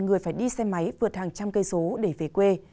người phải đi xe máy vượt hàng trăm cây số để về quê